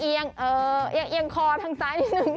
เอียงเอาออกทางซ้ายนิดนึง